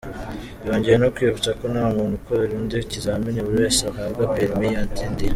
Yongeye no kwibutsa ko nta muntu ukorera undi ikizamini, buri wese ahabwa ’Permis’ yatsindiye.